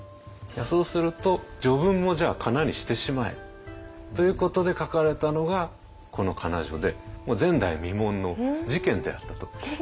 そうすると序文もじゃあかなにしてしまえ。ということで書かれたのがこの仮名序でもう前代未聞の事件であったといえると思います。